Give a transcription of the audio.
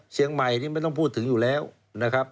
เชียงใหม่นี่ไม่ต้องพูดถึงอยู่แล้วนะครับ